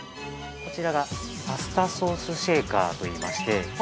◆こちらが「パスタソースシェイカー」といいまして。